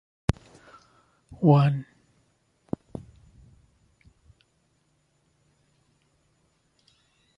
ކުޑަކުއްޖެއްގެ ސިފައިގައި ހުރި ނަމަވެސް މިހާރު އެއީ އެހެން ސިފައެއްގައި ހުރި ކުއްޖެއް